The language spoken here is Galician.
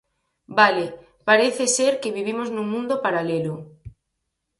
Vale, parece ser que vivimos nun mundo paralelo.